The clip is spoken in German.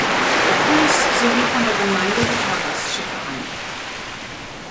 Höß sowie von der Gemeinde die Fahrgastschiffe an.